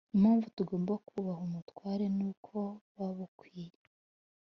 Impamvu tugomba kubaha ubutware nuko babukwiye